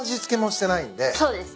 そうです。